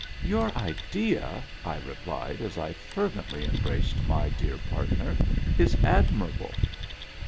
" Your idea," I replied, as I fervently embraced my dear partner, " is admirable."